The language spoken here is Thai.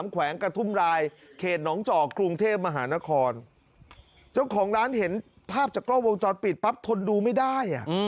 แขวงกระทุ่มรายเขตหนองจอกกรุงเทพมหานครเจ้าของร้านเห็นภาพจากกล้องวงจรปิดปั๊บทนดูไม่ได้